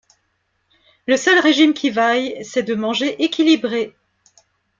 Le seul régime qui vaille, c'est de manger équilibré.